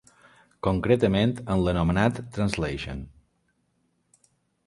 Concretament en l'anomenat «Translation».